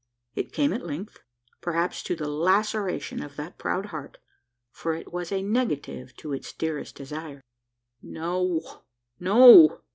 It came at length perhaps to the laceration of that proud heart: for it was a negative to its dearest desire. "No, no!"